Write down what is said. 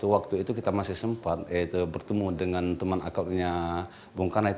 waktu itu kita masih sempat bertemu dengan teman akunnya bung karno